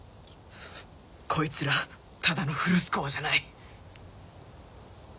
こいつらただのフルスコアじゃない